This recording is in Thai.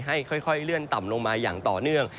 ค่อยเลื่อนต่ำลงมาอย่างต่อเนื่อง